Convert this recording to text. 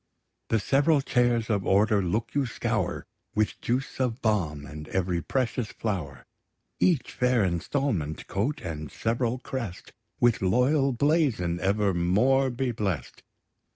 The several chairs of order look you scour With juice of balm, and every precious flower: Each fair instalment, coat, and sev'ral crest, With loyal blazon evermore be bless'd!